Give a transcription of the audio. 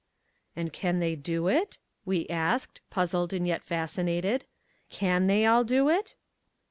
"And can they do it?" we asked, puzzled and yet fascinated. "Can they all do it?"